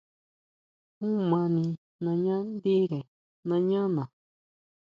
Jun mani nañá ndire nañá na.